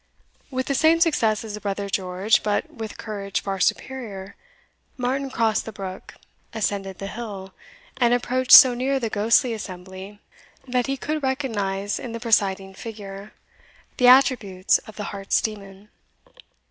With the same success as his brother George, but with courage far superior, Martin crossed the brook, ascended the hill, and approached so near the ghostly assembly, that he could recognise, in the presiding figure, the attributes of the Harz demon.